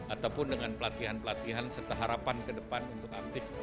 ataupun dengan pelatihan pelatihan serta harapan kedepan untuk aktif